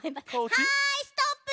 はいストップ。